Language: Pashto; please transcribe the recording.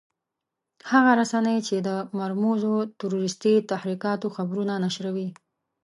هغه رسنۍ چې د مرموزو تروريستي تحرکاتو خبرونه نشروي.